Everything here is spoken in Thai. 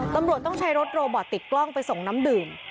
ตำรวจต้องใช้รถโรบอตติดกล้องไปส่งน้ำดื่ม